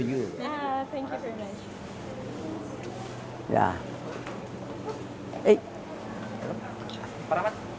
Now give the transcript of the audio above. terima kasih banyak banyak